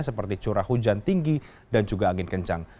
seperti curah hujan tinggi dan juga angin kencang